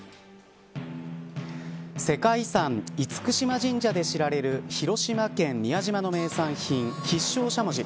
世界遺産、厳島神社で知られる広島県宮島の名産品必勝しゃもじ